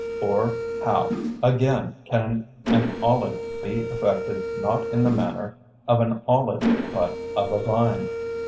Or how, again, can an olive be affected not in the manner of an olive but of a vine?